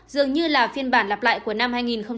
dường như là phiên bản lặp lại của năm hai nghìn hai mươi